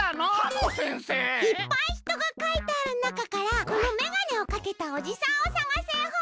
いっぱいひとがかいてあるなかからこのメガネをかけたおじさんを探すえほんなの！